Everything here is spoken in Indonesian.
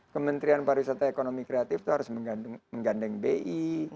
kementerian pariwisata ekonomi kreatif itu harus menggandeng bi